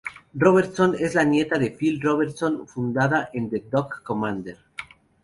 Robertson es la nieta de Phil Robertson, fundador de Duck Commander.